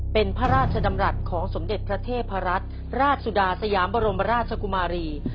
เป็นพระราชดำรัฐของสมเด็จพระเทพรัตน์ราชสุดาสยามบรมราชกุมารี